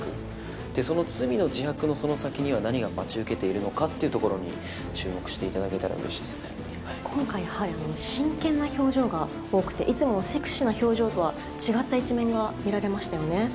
で、その罪の自白のその先には、何が待ち受けているのかっていうところに注目していただけたらう今回、真剣な表情が多くて、いつものセクシーな表情とは違った一面が見られましたよね。